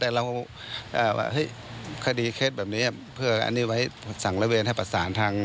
แต่เราว่าคดีเคล็ดแบบนี้เพื่ออันนี้ไว้สั่งระเวนให้ประสานทาง